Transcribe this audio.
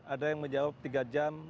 ada yang menjawab tiga jam